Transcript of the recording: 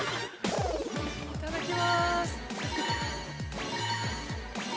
◆いただきます。